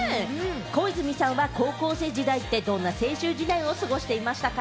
小泉さんは高校生時代ってどんな青春時代を過ごしていましたか？